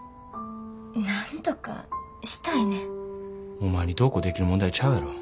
お前にどうこうできる問題ちゃうやろ。